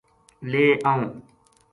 لے آؤں